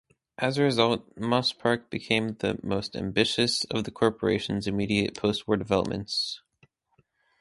As a result, Mosspark became the most ambitious of the Corporation's immediate post-war developments.